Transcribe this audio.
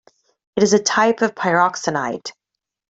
It is a type of pyroxenite.